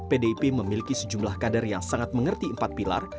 pdip memiliki sejumlah kader yang sangat mengerti empat pilar